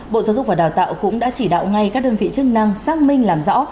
bộ giáo dục và đào tạo cũng đã chỉ đạo ngay các đơn vị chức năng xác minh làm rõ